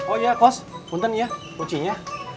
oh ya kos funtan ya ucinya